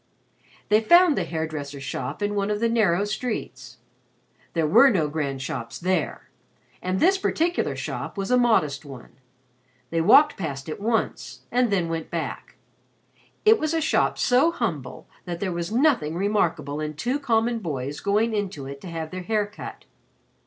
They found the hair dresser's shop in one of the narrow streets. There were no grand shops there, and this particular shop was a modest one. They walked past it once, and then went back. It was a shop so humble that there was nothing remarkable in two common boys going into it to have their hair cut.